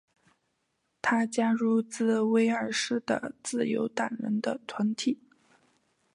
他加入来自威尔士的自由党人的团体。